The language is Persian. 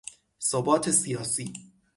ثبات سیاسی